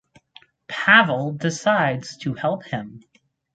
Pavel decides to help him.